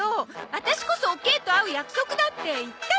ワタシこそおケイと会う約束だって言ったじゃない！